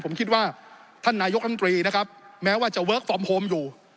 ผมคิดว่าท่านนายกรรมตรีนะครับแม้ว่าจะเวิร์คฟอร์มโฮมอยู่